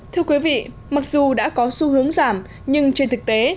thưa quý vị mặc dù đã có xu hướng giảm nhưng trên thực tế